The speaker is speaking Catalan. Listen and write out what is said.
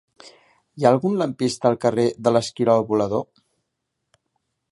Hi ha algun lampista al carrer de l'Esquirol Volador?